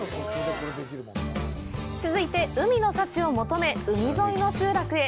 続いて、海の幸を求め海沿いの集落へ。